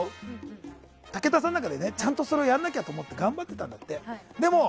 武田さんの中で、ちゃんとそれをやらなきゃと思って頑張ってたんだって。